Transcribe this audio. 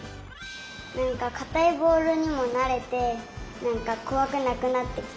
なんかかたいぼおるにもなれてなんかこわくなくなってきた。